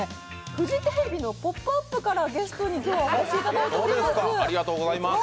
フジテレビの「ポップＵＰ」から今日はゲストにお越しいただいております。